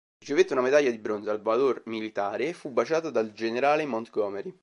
Ricevette una medaglia di bronzo al valor militare e fu baciata dal generale Montgomery.